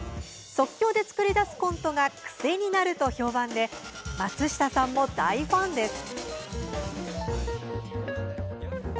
即興で作り出すコントが癖になると評判で松下さんも大ファンです。